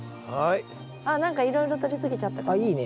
何かいろいろとり過ぎちゃったかも。